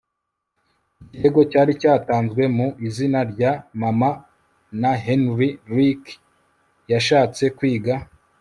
ikirego cyari cyatanzwe mu izina rya mama na Henry Ricky yashatse kwiga